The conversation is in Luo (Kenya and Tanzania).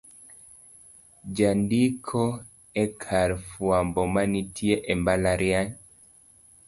jandiko e kar jofwambo manitie e mbalariany